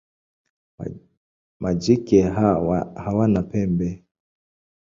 Majike hawana pembe.